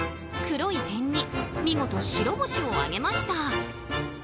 黒い点に見事、白星を挙げました。